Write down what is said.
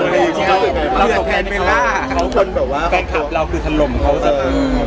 เราก็แผ่นไม่ล่าทุกคนแบบว่าแก่งคลับเราคือทะลมเขาจะอืม